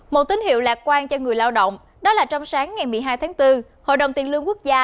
một tín hiệu lạc quan cho người lao động đó là trong sáng ngày một mươi hai tháng bốn hội đồng tiền lương quốc gia